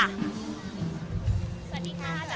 รวมไปถึงจะมีการจุดเทียนด้วยในข้ามคืนนี้